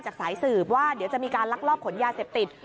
สายสืบว่าเดี๋ยวจะมีการลักลอบขนยาเสพติด